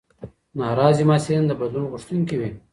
ناراضي محصلین د بدلون غوښتونکي وي.